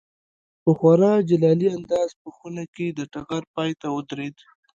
په خورا جلالي انداز په خونه کې د ټغر پای ته ودرېد.